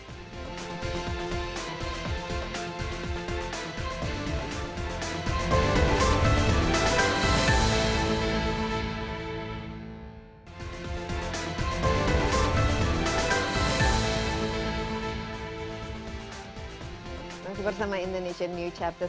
terima kasih bersama indonesia news chapter